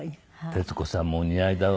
徹子さんもお似合いだわ